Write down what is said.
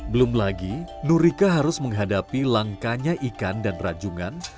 belum lagi nur rika harus menghadapi langkahnya ikan dan ranjungan